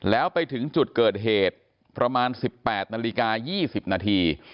แล้วไปถึงจุดเกิดเหตุประมาณ๑๘นาฬิกา๒๐นาที